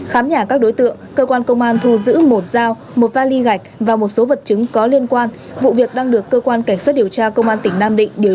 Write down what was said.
khám nhà các đối tượng cơ quan công an thu giữ một dao một vali gạch và một số vật chứng có liên quan vụ việc đang được cơ quan cảnh sát điều tra công an tỉnh nam định điều tra